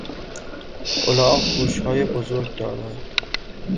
الاغ گوشهای بزرگ دارد.